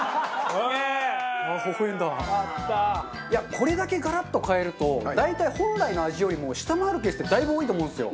これだけガラッと変えると大体本来の味よりも下回るケースってだいぶ多いと思うんですよ。